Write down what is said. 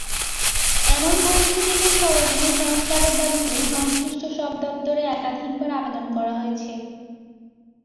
এমন পরিস্থিতিতে সড়কগুলো সংস্কারের দাবিতে সংশ্লিষ্ট সব দপ্তরে একাধিকবার আবেদন করা হয়েছে।